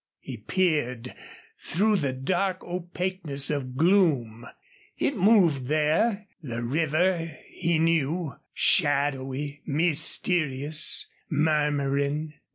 He peered through the dark opaqueness of gloom. It moved there, the river he knew, shadowy, mysterious, murmuring.